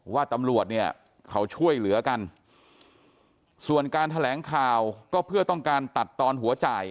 ว่าตำรวจเนี่ยเขาช่วยเหลือกันส่วนการแถลงข่าวก็เพื่อต้องการตัดตอนหัวจ่าย